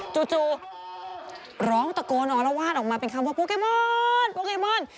จู่ร้องตะโกนอรวาสออกมาเป็นคำว่าโปเกมอนโปเกมอน